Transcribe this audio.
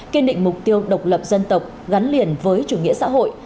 kiên định mục tiêu độc lập dân tộc gắn liền với chủ nghĩa xã hội